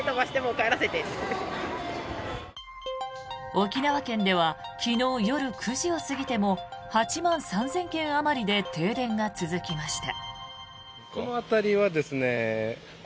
沖縄県では昨日夜９時を過ぎても８万３０００軒あまりで停電が続きました。